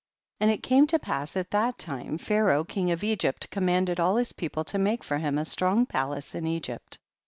And it came to pass at that time Pharaoh king of Egypt com manded all his people to make for him a strong palace in Egypt.